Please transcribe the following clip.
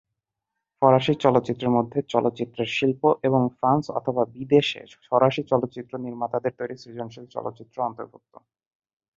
ফরাসি চলচ্চিত্রের মধ্যে চলচ্চিত্রের শিল্প এবং ফ্রান্স অথবা বিদেশে ফরাসি চলচ্চিত্র নির্মাতাদের তৈরি সৃজনশীল চলচ্চিত্র অন্তর্ভুক্ত।